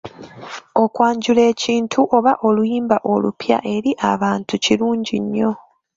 Okwanjula ekintu oba oluyimba olupya eri abantu kirungi nnyo.